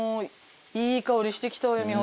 いい香りしてきたわよ